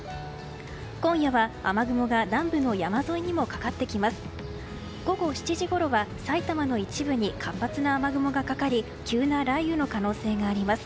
今夜は雨雲が南部の山沿いにもかかってきます。